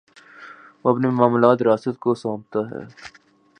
وہ اپنے معاملات ریاست کو سونپتا ہے۔